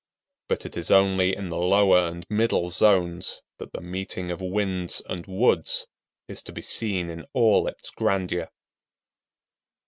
But it is only in the lower and middle zones that the meeting of winds and woods is to be seen in all its grandeur.